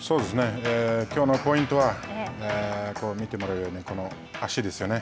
きょうのポイントは見てもらうように、この足ですよね。